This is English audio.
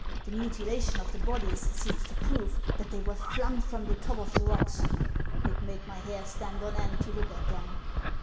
The mutilation of the bodies seems to prove that they were flung from the top of the rocks. It made my hair stand on end to look at them."